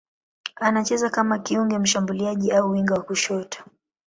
Anacheza kama kiungo mshambuliaji au winga wa kushoto.